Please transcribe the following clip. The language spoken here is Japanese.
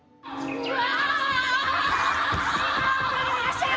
うわ！